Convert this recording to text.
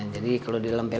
jadi kalau di dalam film